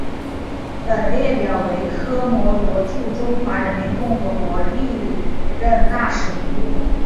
本列表为科摩罗驻中华人民共和国历任大使名录。